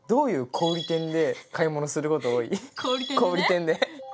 小売店で。